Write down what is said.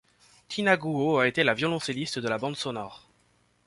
Tina Guo a été la violoncelliste de la bande sonore.